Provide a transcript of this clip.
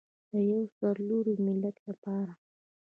د یو سرلوړي ملت لپاره.